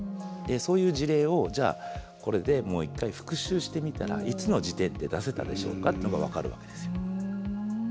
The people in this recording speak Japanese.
そういう事例をじゃあこれでもう一回復習してみたらいつの時点で出せたでしょうかっていうのが分かるわけですよ。